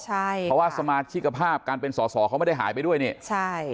เพราะว่าสมาชิกภาพการเป็นสอสอเขาไม่ได้หายไปด้วยนี่ใช่